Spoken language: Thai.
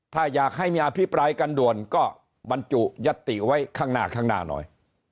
ถ้าอยากให้มีอภิปรายกันด่วนก็บรรจุยัตติไว้ข้างหน้าข้างหน้าหน่อย